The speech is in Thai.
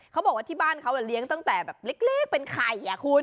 เขาบอกว่าที่บ้านเขาเลี้ยงตั้งแต่แบบเล็กเป็นไข่คุณ